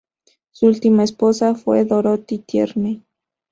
Su última esposa fue Dorothy Tierney.